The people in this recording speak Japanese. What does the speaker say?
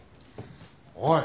おい！